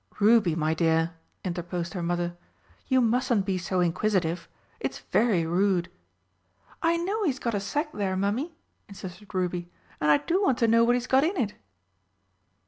"Ruby, my dear," interposed her mother, "you mustn't be so inquisitive. It's very rude." "I know he has got a sack there, Mummy," insisted Ruby, "and I do want to know what he's got in it."